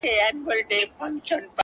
شاعر او شاعره~